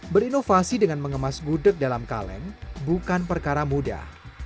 berinovasi dengan mengemas gudeg dalam kaleng bukan perkara mudah